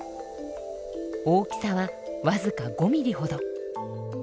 大きさはわずか５ミリほど。